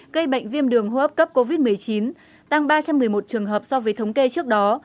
gây bệnh viêm đường hô hấp cấp covid một mươi chín tăng ba trăm một mươi một trường hợp so với thống kê trước đó